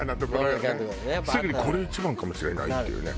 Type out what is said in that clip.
すぐに「これ一番かもしれない」っていうね。